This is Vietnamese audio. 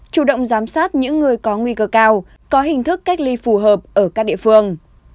chủ động giám sát những người có nguy cơ cao có hình thức cách ly phù hợp ở các địa phương